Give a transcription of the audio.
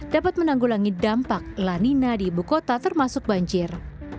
dapat menanggulangi dampak lanina di ibu kota termasuk banjir